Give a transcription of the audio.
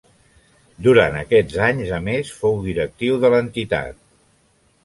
Durant aquests anys, a més, fou directiu de l'entitat.